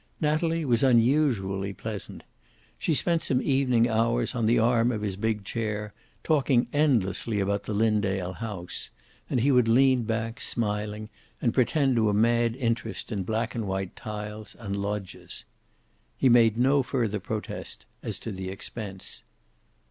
Natalie was unusually pleasant. She spent some evening hours on the arm of his big chair, talking endlessly about the Linndale house, and he would lean back, smiling, and pretend to a mad interest in black and white tiles and loggias. He made no further protest as to the expense.